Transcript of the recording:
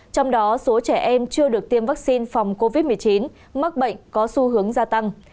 trong đó số trẻ em chưa được tiêm vaccine phòng covid một mươi chín mắc bệnh có xu hướng gia tăng